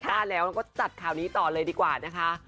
ว่าแล้วเราก็จัดข่าวนี้ต่อเลยดีกว่านะคะ